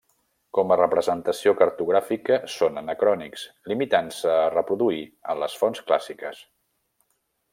Com a representació cartogràfica són anacrònics, limitant-se a reproduir a les fonts clàssiques.